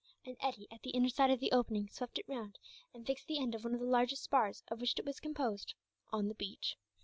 An eddy, at the inner side of the opening, swept it round, and fixed the end of one of the largest spars of which it was composed on the beach.